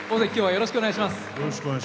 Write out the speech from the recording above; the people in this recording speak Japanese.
よろしくお願いします。